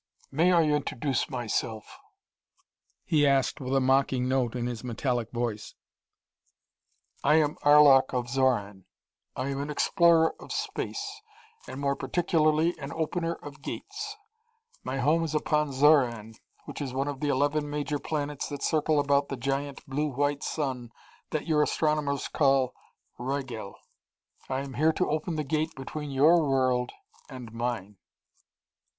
"May I introduce myself?" he asked with a mocking note in his metallic voice. "I am Arlok of Xoran. I am an explorer of Space, and more particularly an Opener of Gates. My home is upon Xoran, which is one of the eleven major planets that circle about the giant blue white sun that your astronomers call Rigel. I am here to open the Gate between your world and mine."